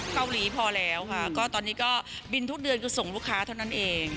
เกาหลีพอแล้วค่ะก็ตอนนี้ก็บินทุกเดือนคือส่งลูกค้าเท่านั้นเอง